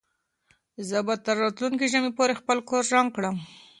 زه به تر راتلونکي ژمي پورې خپل کور رنګ کړم.